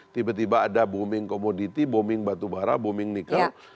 tiba tiba ada booming komoditi booming batubara booming nikel